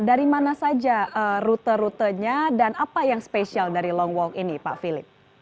dari mana saja rute rutenya dan apa yang spesial dari long walk ini pak philip